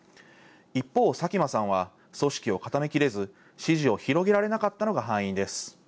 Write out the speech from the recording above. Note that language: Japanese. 一方、佐喜真さんは、組織を固めきれず、支持を広げられなかったのが敗因です。